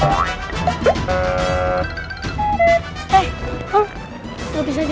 hei lo bisa jalan ya